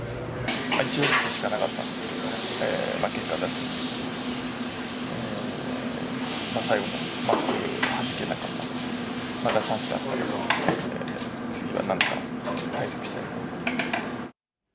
１打席しかなかったんですけど、結果を出せず、最後もうまくはじけなかったので、またチャンスがあったら、次はなんとか対策したいなと思ってます。